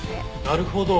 なるほど。